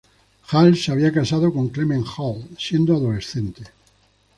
Hall se había casado con Clement Hall siendo adolescente.